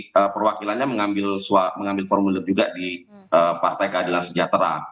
jadi perwakilannya mengambil formulir juga di partai keadilan sejahtera